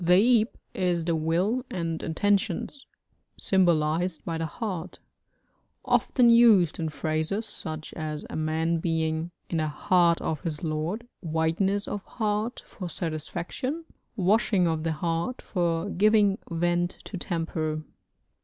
The ab is the will and intentions, symbolised by the heart; often used in phrases, such as a man being 'in the heart of his lord,' 'wideness of heart' for satisfaction, 'washing of the heart' for giving vent to temper.